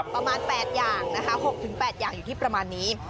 ประมาณ๘อย่างนะคะ๖๘อย่างอยู่ที่ประมาณนี้